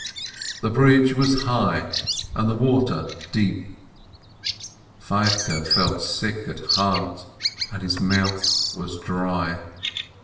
The bridge was high and the water deep ! Feivke felt sick at heart, and his mouth was dry.